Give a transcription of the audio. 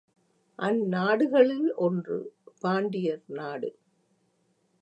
அந்நாடுகளுள் ஒன்று பாண்டியர் நாடு!